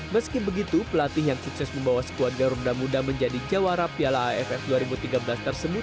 meski begitu pelatih yang sukses membawa skuad garuda muda menjadi jawara piala aff dua ribu tiga belas tersebut